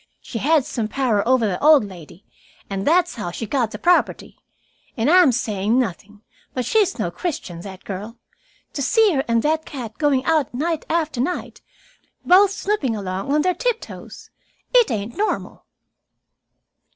"She had some power over the old lady, and that's how she got the property. And I am saying nothing, but she's no Christian, that girl. To see her and that cat going out night after night, both snooping along on their tiptoes it ain't normal."